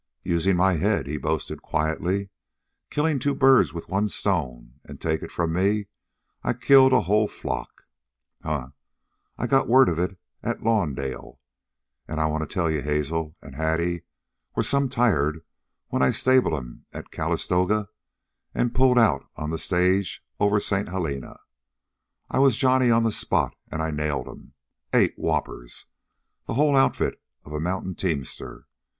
"Usin' my head," he boasted quietly. "Killin' two birds with one stone; an', take it from me, I killed a whole flock. Huh! I got word of it at Lawndale, an' I wanta tell you Hazel an' Hattie was some tired when I stabled 'm at Calistoga an' pulled out on the stage over St. Helena. I was Johnny on the spot, an' I nailed 'm eight whoppers the whole outfit of a mountain teamster.